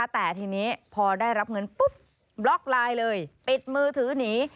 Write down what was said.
แต่ทีนี้พอได้รับเงินปุ๊บบล็อกไลน์เลยปิดมือถือหนี